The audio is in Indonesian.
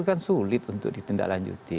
kan sulit untuk ditindaklanjuti